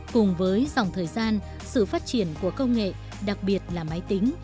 cùng với dòng thời gian sự phát triển của công nghệ đặc biệt là máy tính